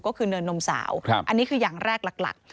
ก็คือเนินนมสาวอันนี้คืออย่างแรกหลัก